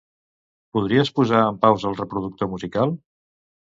Podries posar en pausa el reproductor musical?